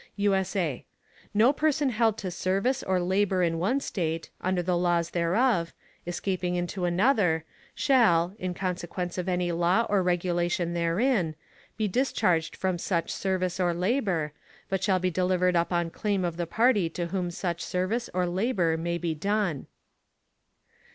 [USA] No Person held to Service or Labour in one State, under the Laws thereof, escaping into another, shall, in Consequence of any Law or Regulation therein, be discharged from such Service or Labour, but shall be delivered up on Claim of the Party to whom such Service or Labour may be done.